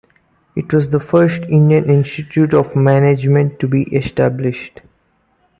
It was the first Indian Institute of Management to be established.